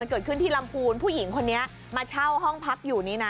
เกิดขึ้นที่ลำพูนผู้หญิงคนนี้มาเช่าห้องพักอยู่นี่นะ